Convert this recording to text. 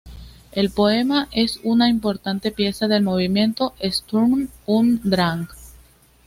El poema es una importante pieza del movimiento "Sturm und Drang".